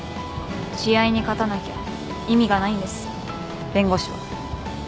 試合に勝たなきゃ意味がないんです弁護士は。